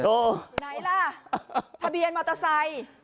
ไหนล่ะทะเบียนมอเตอร์ไซค์